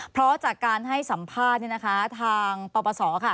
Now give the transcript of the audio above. เพราะจากการให้สัมภาษณ์ทางปปศ